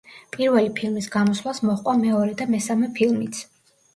პირველი ფილმის გამოსვლას მოჰყვა მეორე და მესამე ფილმიც.